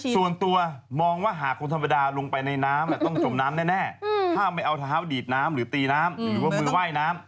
ส่วนตัวมองว่าหากคนธรรมดาลงไปในน้ำต้องจมน้ำแน่ถ้าไม่เอาเท้าดีดน้ำหรือตีน้ำหรือว่ามือว่ายน้ำ